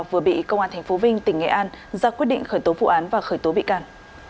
vừa bị công an tp vinh tỉnh nghệ an ra quyết định khởi tố vụ án và khởi tố bị can